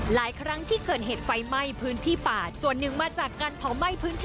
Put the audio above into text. หลายครั้งที่เกิดเหตุไฟไหม้พื้นที่ป่าส่วนหนึ่งมาจากการเผาไหม้พื้นที่